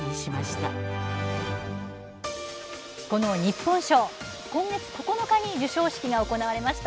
この日本賞今月９日に授賞式が行われました。